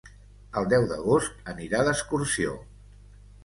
El deu d'agost anirà d'excursió.